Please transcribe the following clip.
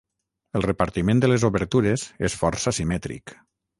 El repartiment de les obertures és força simètric.